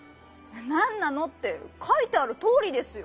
なんなの？ってかいてあるとおりですよ。